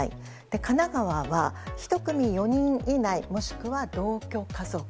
神奈川は１組４人以内もしくは同居家族。